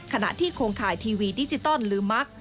ขณะที่โครงข่ายทีวีดิจิตอลหรือมัก